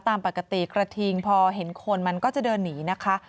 ตามปกติกระทิงพอเห็นคนมันก็จะเดินหนีนะคะ